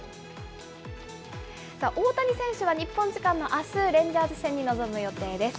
さあ、大谷選手は日本時間のあす、レンジャーズ戦に臨む予定です。